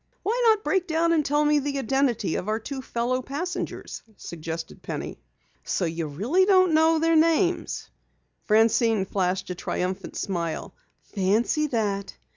"Why not break down and tell me the identity of our two fellow passengers?" suggested Penny. "So you really don't know their names?" Francine flashed a triumphant smile. "Fancy that!